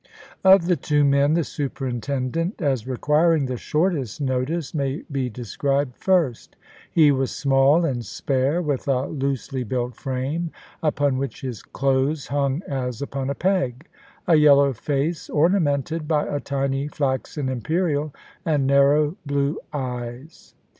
Of the two men, the superintendent, as requiring the shortest notice, may be described first He was small and spare, with a loosely built frame, upon which his clothes hung as upon a peg ; a yellow face ornamented by a tiny flaxen imperial, and narrow blue eyes.